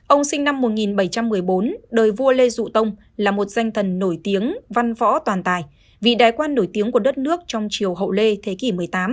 ông sinh năm một nghìn bảy trăm một mươi bốn đời vua lê du tông là một danh thần nổi tiếng văn võ toàn tài vị đại quan nổi tiếng của đất nước trong chiều hậu lê thế kỷ một mươi tám